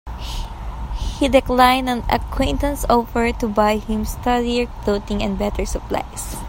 He declined an acquaintance's offer to buy him sturdier clothing and better supplies.